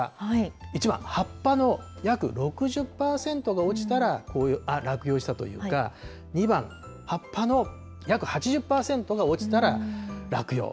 １番、葉っぱの約６０％が落ちたら落葉したというか、２番、葉っぱの約８０％が落ちたら落葉。